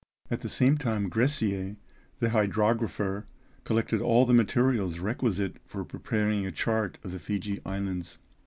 At the same time, Gressier, the hydrographer, collected all the materials requisite for preparing a chart of the Fiji Islands.